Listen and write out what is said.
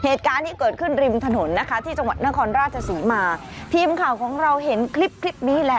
เหตุการณ์ที่เกิดขึ้นริมถนนนะคะที่จังหวัดนครราชศรีมาทีมข่าวของเราเห็นคลิปคลิปนี้แล้ว